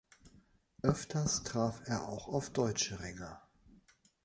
Öfters traf er auch auf deutsche Ringer.